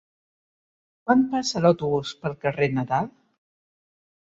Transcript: Quan passa l'autobús pel carrer Nadal?